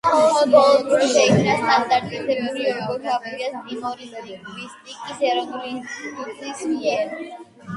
მხოლოდ ბოლო დროს შეიქმნა სტანდარტიზებული ორთოგრაფია ტიმორის ლინგვისტიკის ეროვნული ინსტიტუტის მიერ.